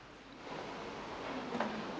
mau mesen apa ya